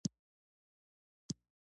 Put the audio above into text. د ریحان شیره د زړه لپاره وکاروئ